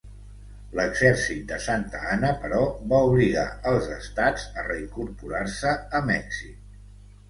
L'exèrcit de Santa Anna, però, va obligar els estats a reincorporar-se a Mèxic.